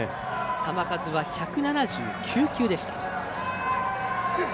球数は１７９球でした。